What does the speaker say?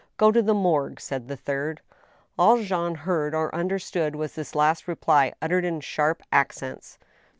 " Go to the Morgue," said the third. All Jean heard or understood was this last reply, uttered in sharp accents.